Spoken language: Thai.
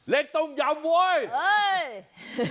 เหล็กต้มยำโว้ย